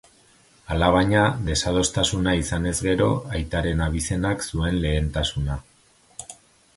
Alabaina, desadostasuna izanez gero, aitaren abizenak zuen lehentasuna.